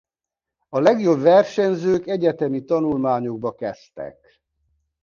A legjobb versenyzők egyetemi tanulmányokba kezdtek.